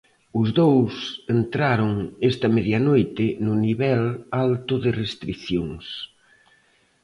Os dous entraron esta medianoite no nivel alto de restricións.